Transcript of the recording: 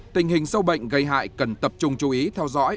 tình hình sâu bệnh gây hại cần tập trung chú ý theo dõi